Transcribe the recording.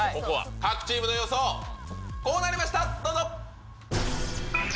各チームの予想、こうなりました、どうぞ。